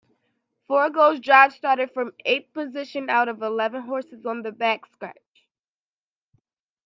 Forego's drive started from eighth position out of eleven horses on the backstretch.